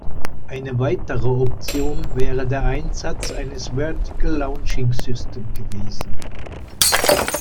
Eine weitere Option wäre der Einsatz eines Vertical Launching System gewesen.